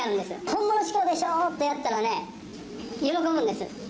本物志向でしょってやったら喜ぶんです。